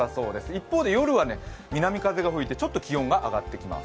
一方で夜は南風が吹いて気温が上がってきます。